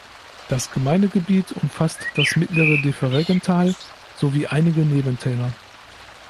Das Gemeindegebiet umfasst das mittlere Defereggental sowie einige Nebentäler.